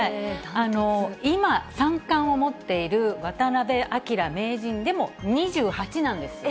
今、三冠を持っている渡辺明名人でも２８なんです。